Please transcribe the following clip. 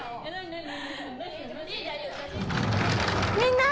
みんな！